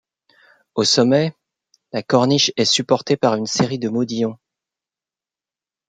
Au sommet, la corniche est supportée par une série de modillons.